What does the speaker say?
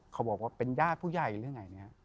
เขาบอกว่าเป็นญาติผู้ใหญ่หรือไงเนี่ย